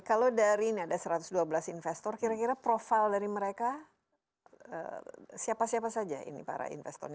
kalau dari ini ada satu ratus dua belas investor kira kira profil dari mereka siapa siapa saja ini para investornya